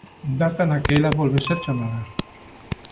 Data na que ela volve ser chamada.